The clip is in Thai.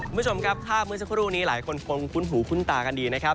คุณผู้ชมครับท่ามือซุทธิโรขอนี้หลายคนฟรุงฟลุงหูฟลุงตากันดีนะครับ